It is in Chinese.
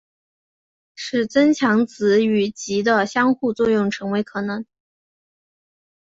使增强子与及的相互作用成为可能。